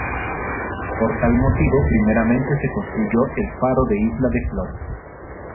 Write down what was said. Por tal motivo, primeramente se construyó el Faro de Isla de Flores.